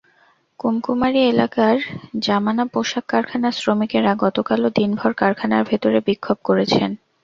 কুমকুমারী এলাকার জামানা পোশাক কারখানার শ্রমিকেরা গতকালও দিনভর কারখানার ভেতরে বিক্ষোভ করেছেন।